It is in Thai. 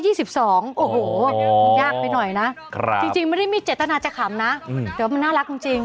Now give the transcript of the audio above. โอ้โหยากไปหน่อยนะจริงไม่ได้มีเจตนาจะขำนะแต่ว่ามันน่ารักจริง